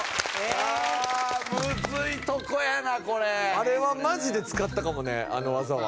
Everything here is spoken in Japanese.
あれはマジで使ったかもねあの技は。